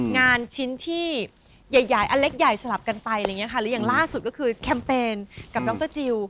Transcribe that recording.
งานชิ้นที่เล็กสลับกันไปแบบนี้ค่ะหรืออย่างล่าสุดคือแคมเปญกับน้องเตอร์จิ๊ว